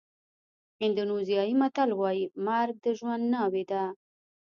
اندونېزیایي متل وایي مرګ د ژوند ناوې ده.